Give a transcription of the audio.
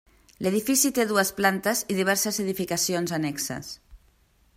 L'edifici té dues plantes i diverses edificacions annexes.